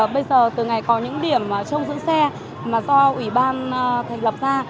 bây giờ từ ngày có những điểm trông giữ xe mà do ủy ban thành lập ra